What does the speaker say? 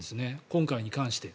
今回に関して。